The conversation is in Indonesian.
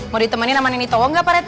mau ditemani sama nini tawa nggak pak rt